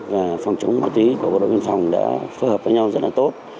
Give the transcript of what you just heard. và phòng chống ma túy của quân đội viên phòng đã phối hợp với nhau rất là tốt